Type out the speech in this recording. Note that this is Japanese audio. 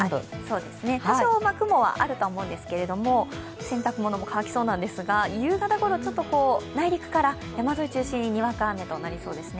多少、雲はあるとは思うんですけれども、洗濯物も乾きそうですが夕方ごろ、内陸から山沿い中心ににわか雨となりそうです。